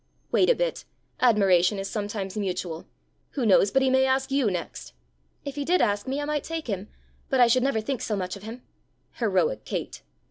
"Wait a bit. Admiration is sometimes mutual: who knows but he may ask you next!" "If he did ask me, I might take him, but I should never think so much of him!" "Heroic Kate!"